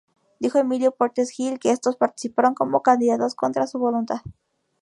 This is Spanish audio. Dijo Emilio Portes Gil que estos participaron como candidatos contra su voluntad.